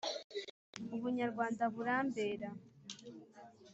ubunyarwanda burambera